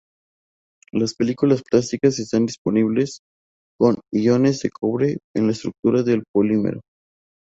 Las películas plásticas están disponibles con iones de cobre en la estructura del polímero.